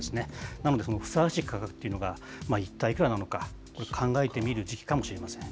なので、ふさわしい価格というのが一体いくらなのか、これ、考えてみる時期かもしれません。